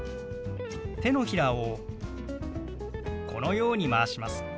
手のひらをこのようにまわします。